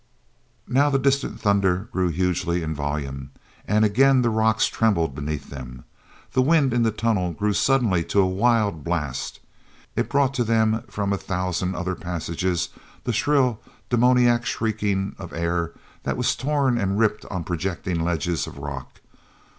Now that distant thunder grew hugely in volume, and again the rocks trembled beneath them. The wind in the tunnel grew suddenly to a wild blast. It brought to them from a thousand other passages, the shrill, demoniac shrieking of air that was torn and ripped on projecting ledges of rock.